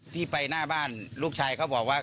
ที่ไปหน้าบ้านลูกชายเขาบอกว่า